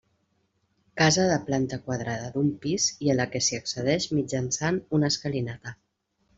Casa de planta quadrada d'un pis i a la que s'hi accedeix mitjançant una escalinata.